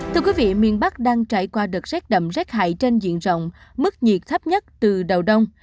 thưa quý vị miền bắc đang trải qua đợt rét đậm rét hại trên diện rộng mức nhiệt thấp nhất từ đầu đông